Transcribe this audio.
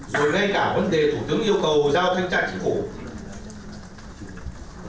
rồi ngay cả vấn đề thủ tướng yêu cầu giao thanh tra chính phủ